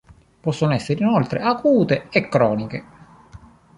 Possono essere inoltre acute e croniche.